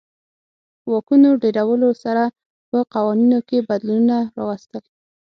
واکونو ډېرولو سره په قوانینو کې بدلونونه راوستل.